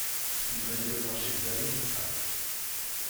Il venait de voir chez Zamet une femme.